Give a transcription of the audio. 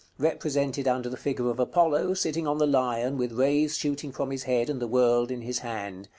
Represented under the figure of Apollo, sitting on the Lion, with rays shooting from his head, and the world in his hand.